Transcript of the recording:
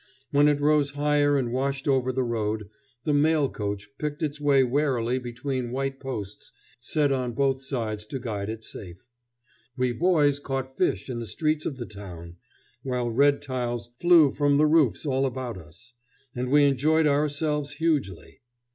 When it rose higher and washed over the road, the mail coach picked its way warily between white posts set on both sides to guide it safe. We boys caught fish in the streets of the town, while red tiles flew from the roofs all about us, and we enjoyed ourselves hugely.